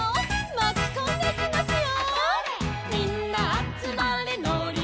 「まきこんでいきますよ」